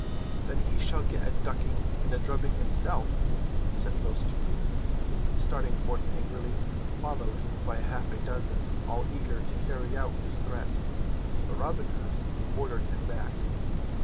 "Then he shall get a ducking and a drubbing himself," said Will Stutely, starting forth angrily, followed by half a dozen, all eager to carry out his threat. But Robin Hood ordered him back.